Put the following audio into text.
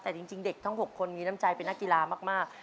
แต่จริงเด็กทั้ง๖คนมีน้ำใจเป็นนักกีฬามาก